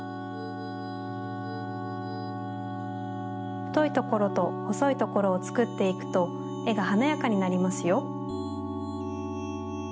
ふといところとほそいところをつくっていくとえがはなやかになりますよ。